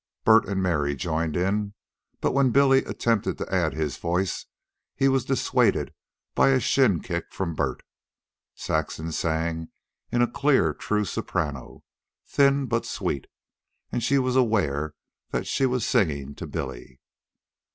Bert and Mary joined in; but when Billy attempted to add his voice he was dissuaded by a shin kick from Bert. Saxon sang in a clear, true soprano, thin but sweet, and she was aware that she was singing to Billy.